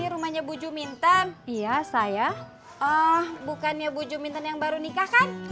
oh bukannya bu juminten yang baru nikah kan